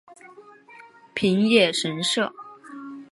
平野神社。